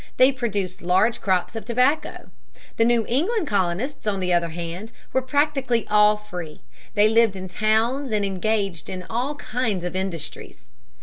They produced large crops of tobacco. The New England colonists on the other hand were practically all free. They lived in towns and engaged in all kinds of industries.